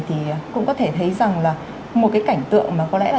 thì cũng có thể thấy rằng là một cái cảnh tượng